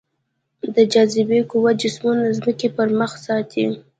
د جاذبې قوه جسمونه د ځمکې پر مخ ساتي.